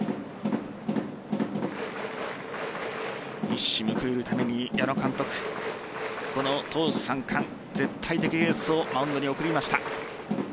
一矢報いるために、矢野監督この投手三冠、絶対的エースをマウンドに送りました。